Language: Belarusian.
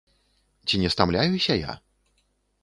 Ці не стамляюся я?